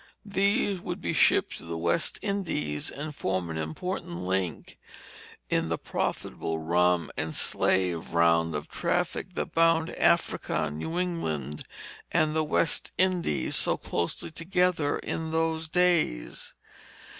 These would be shipped to the West Indies, and form an important link in the profitable rum and slave round of traffic that bound Africa, New England, and the West Indies so closely together in those days.